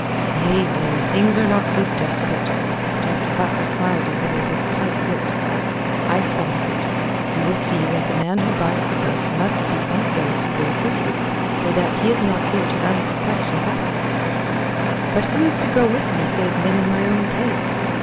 "Nay, nay: things are not so desperate." Dr. Whacker smiled a little with tight lips. "I've thought of it. You will see that the man who buys the boat must be one of those who goes with you so that he is not here to answer questions afterwards." "But who is to go with me save men in my own case?